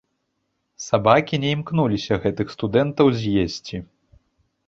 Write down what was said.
Сабакі не імкнулася гэтых студэнтаў з'есці.